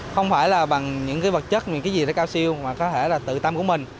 không phải là bằng những cái vật chất những cái gì là cao siêu mà có thể là tự tâm của mình